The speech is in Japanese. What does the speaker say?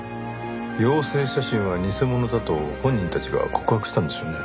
妖精写真は偽物だと本人たちが告白したんですよね？